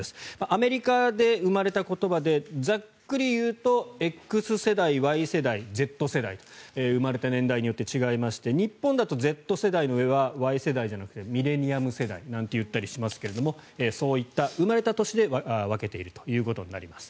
アメリカで生まれた言葉でざっくり言うとＸ世代、Ｙ世代、Ｚ世代と生まれた年代によって違いまして日本だとＺ世代の上はＹ世代じゃなくてミレニアル世代と言ったりしますがそういった生まれた年で分けているということになります。